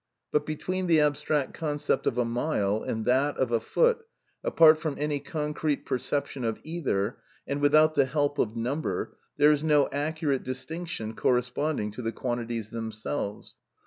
But between the abstract concept of a mile and that of a foot, apart from any concrete perception of either, and without the help of number, there is no accurate distinction corresponding to the quantities themselves.